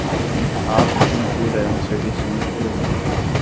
A acupuntura é um serviço muito relevante.